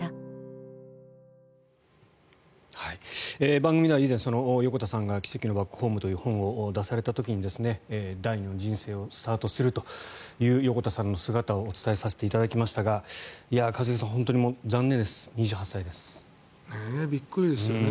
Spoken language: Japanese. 番組では以前横田さんが「奇跡のバックホーム」という本を出された時に第二の人生をスタートするという横田さんの姿をお伝えさせていただきましたが一茂さん、本当に残念ですびっくりですよね。